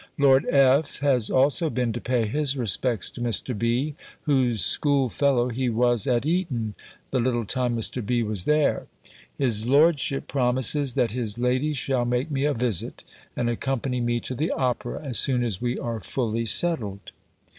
Lord F. has also been to pay his respects to Mr. B. whose school fellow he was at Eton, the little time Mr. B. was there. His lordship promises, that his lady shall make me a visit, and accompany me to the opera, as soon as we are fully settled.